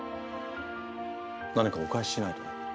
何かお返ししないと。